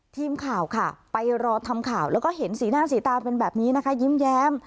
ทีมข่าวค่ะไปรอทำข่าวแล้วก็เห็นสีหน้าสีตาเป็นแบบนี้นะคะยิ้มแย้ม